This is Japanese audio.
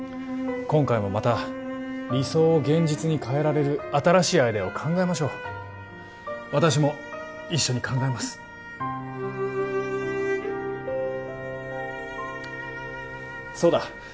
今回もまた理想を現実に変えられる新しいアイデアを考えましょう私も一緒に考えますそうだ